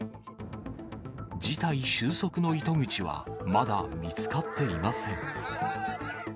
事態収束の糸口はまだ見つかっていません。